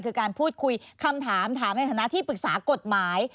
คือการพูดคุยคำถามถามในฐานะที่ปรึกษากฎหมาย